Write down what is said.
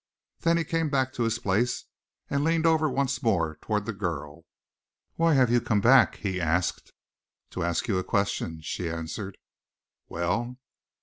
Then he came back to his place, and leaned over once more toward the girl. "Why have you come back?" he asked. "To ask you a question," she answered. "Well?"